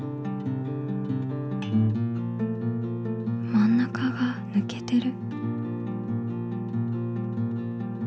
まん中がぬけてる。